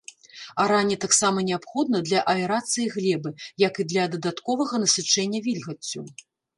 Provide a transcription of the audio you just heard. Аранне таксама неабходнае для аэрацыі глебы, як і для дадатковага насычэння вільгаццю.